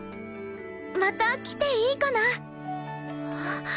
また来ていいかな？